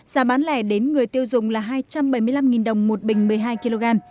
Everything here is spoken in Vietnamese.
giá bán lẻ đến người tiêu dùng là hai trăm bảy mươi năm đồng một bình một mươi hai kg